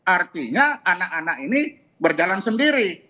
artinya anak anak ini berjalan sendiri